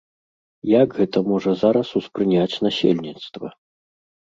Як гэта можа зараз успрыняць насельніцтва?